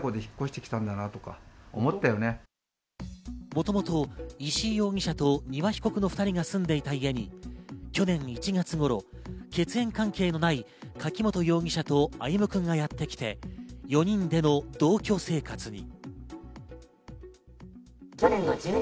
もともと石井容疑者と丹羽被告の２人が住んでいた家に去年１月頃、血縁関係のない柿本容疑者と歩夢くんがやってきて、４人での同居生活に。